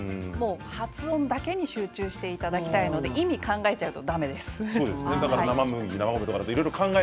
発音だけに集中してたいので意味、考えちゃうとだめです。